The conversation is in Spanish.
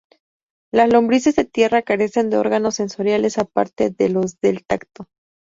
Las lombrices de tierra carecen de órganos sensoriales aparte de los del tacto.